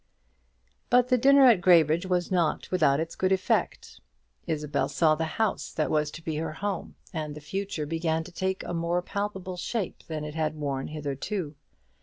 But the dinner at Graybridge was not without its good effect. Isabel saw the house that was to be her home; and the future began to take a more palpable shape than it had worn hitherto.